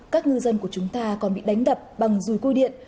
các ngư dân của chúng ta còn bị đánh đập bằng dùi cui điện